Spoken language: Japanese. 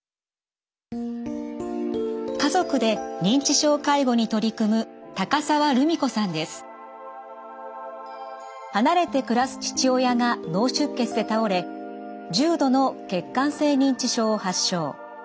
家族で認知症介護に取り組む離れて暮らす父親が脳出血で倒れ重度の血管性認知症を発症。